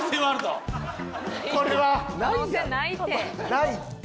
ないって。